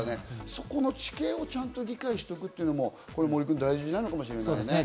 そこの地形を理解しておくということも森君、大事かもしれませんね。